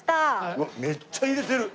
うわっめっちゃ入れてる。